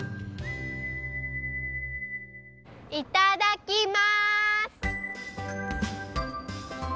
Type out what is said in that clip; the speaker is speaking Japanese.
いただきます！